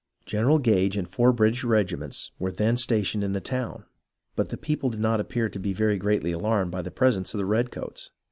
General Gage and four British regiments were then stationed in the town, but the people did not appear to be very greatly alarmed by the presence of the redcoats.